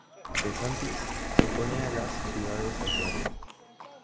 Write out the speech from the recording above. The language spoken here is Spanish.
DeSantis se opone a las "ciudades santuario".